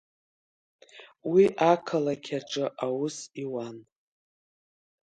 Уи ақалақь аҿы аус иуан.